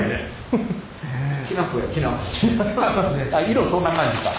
色そんな感じか。